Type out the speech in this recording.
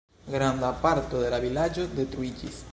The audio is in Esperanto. Granda parto de la vilaĝo detruiĝis.